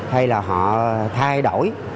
hay là họ thay đổi